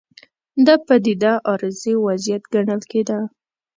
دا پدیده عارضي وضعیت ګڼل کېده.